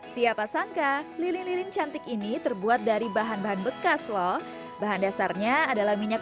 siapa sangka lilin lilin cantik ini terbuat dari bahan bahan bekas loh bahan dasarnya adalah minyak